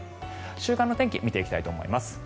週間の天気見ていきたいと思います。